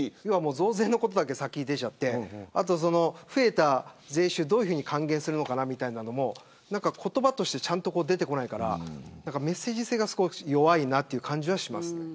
増税のことだけ先に出ちゃって増えた税収をどういうふうに還元するのかみたいなのも言葉としてちゃんと出てこないからメッセージ性が少し弱いという感じがします。